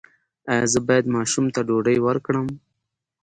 ایا زه باید ماشوم ته ډوډۍ ورکړم؟